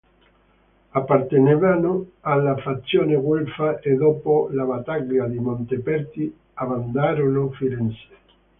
Appartenevano alla fazione guelfa e dopo la Battaglia di Montaperti abbandonarono Firenze.